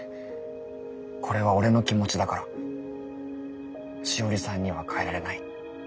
これは俺の気持ちだからしおりさんには変えられない。